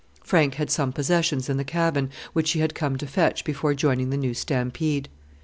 Frank had some possessions in the cabin, which he had come to fetch before joining the new stampede.